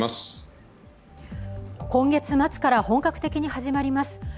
今月末から本格的に始まります